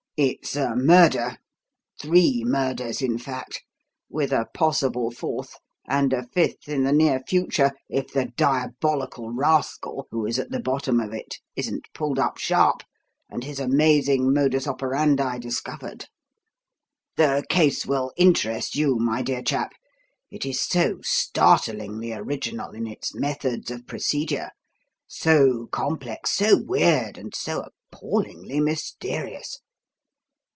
"It's a murder three murders, in fact, with a possible fourth and a fifth in the near future if the diabolical rascal who is at the bottom of it isn't pulled up sharp and his amazing modus operandi discovered. "The case will interest you, my dear chap; it is so startlingly original in its methods of procedure, so complex, so weird, and so appallingly mysterious.